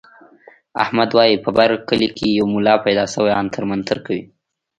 احمد وايي په بر کلي کې یو ملا پیدا شوی عنتر منتر کوي.